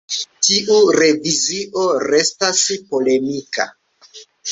Tiu revizio restas polemika.